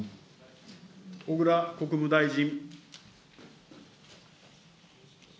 小倉国務大臣。